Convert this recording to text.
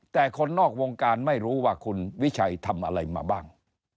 แต่คนนอกวงการไม่รู้ว่าคุณวิชัยทำอะไรมาบ้าง